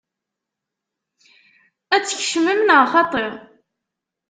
Ad tkecmem neɣ xaṭi?